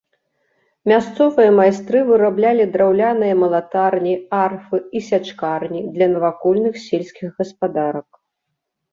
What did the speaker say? Мясцовыя майстры выраблялі драўляныя малатарні, арфы і сячкарні для навакольных сельскіх гаспадарак.